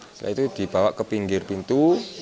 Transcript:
setelah itu dibawa ke pinggir pintu